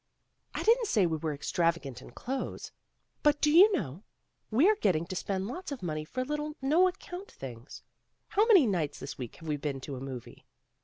"I didn't say we were extravagant in clothes. But do you know, we're getting to spend lots of money for little, no account things. How many nights this week have we been to a movie